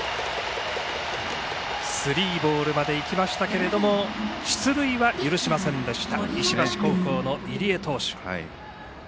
スリーボールまでいきましたが出塁は許しませんでした石橋高校の入江投手。